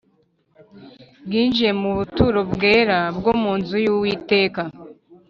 binjiye mu buturo bwera bwo mu nzu y Uwiteka